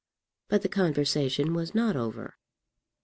But the conversation was not over.